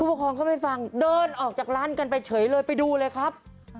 ประคองก็ไม่ฟังเดินออกจากร้านกันไปเฉยเลยไปดูเลยครับ